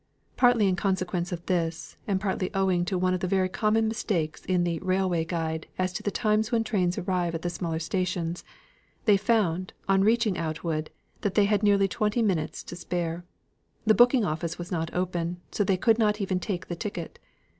Partly in consequence of this, and partly owing to one of the very common mistakes in the "Railway Guide" as to the times when trains arrive at the smaller stations, they found, on reaching Outwood, that they had nearly twenty minutes to spare. The booking office was not open, so they could not even take the ticket.